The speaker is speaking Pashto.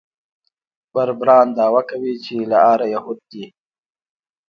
بربران دعوه کوي چې له آره یهود دي.